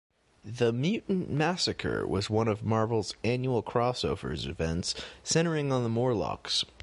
The "Mutant Massacre" was one of Marvel's annual crossovers events, centering on the Morlocks.